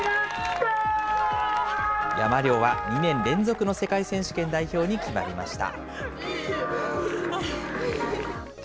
山領は２年連続の世界選手権代表に決まりました。